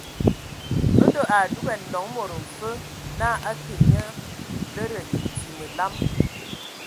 Ndɔ a adugan nɔŋ mod mfe naa a ke nye lədə a edzii məlam.